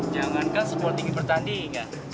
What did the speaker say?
jangankan supporting pertandingan